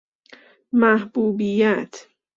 محبوبیت